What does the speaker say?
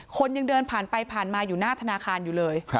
ยังเดินผ่านไปผ่านมาอยู่หน้าธนาคารอยู่เลย